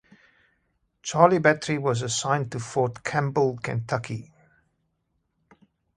Charlie Battery was assigned to Fort Campbell, Kentucky.